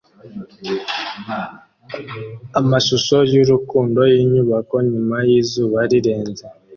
Amashusho yurukundo yinyubako nyuma yizuba rirenze